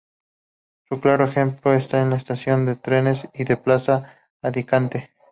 Un claro ejemplo es la estación de trenes y la plaza adyacente.